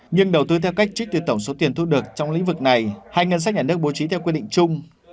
nhưng đầu tư theo cách trích từ tổng số tiền thu được trong lĩnh vực này hay ngân sách nhà nước bố trí theo quy định chung